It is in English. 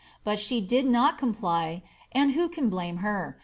But she did not comply (aod who can blame her